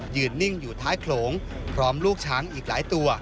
นิ่งอยู่ท้ายโขลงพร้อมลูกช้างอีกหลายตัว